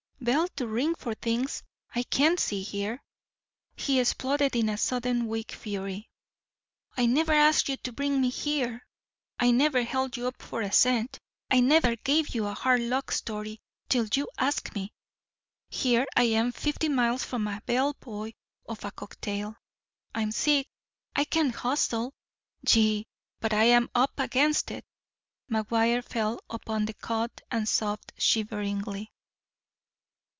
"Bell to ring for things. I can't—see here," he exploded in a sudden, weak fury, "I never asked you to bring me here. I never held you up for a cent. I never gave you a hard luck story till you asked me. Here I am fifty miles from a bellboy or a cocktail. I'm sick. I can't hustle. Gee! but I'm up against it!" McGuire fell upon the cot and sobbed shiveringly.